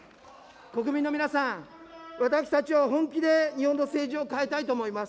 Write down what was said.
国民の皆さん、私たちは本気で日本の政治を変えたいと思います。